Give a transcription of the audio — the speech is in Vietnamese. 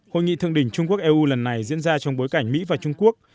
hội nghị thượng đỉnh trung quốc eu lần này diễn ra trong bối cảnh mỹ và trung quốc